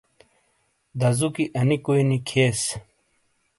دازوکی انی کوئی نی کھییس۔